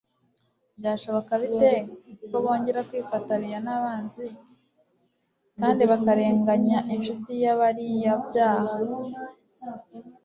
Byashoboka bite ko bongera kwifatariya n'abanzi kandi bakarennganya Inshuti y'abariyabyaha'?